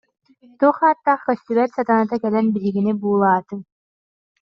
Туох ааттаах көстүбэт сатаната кэлэн биһигини буулаатыҥ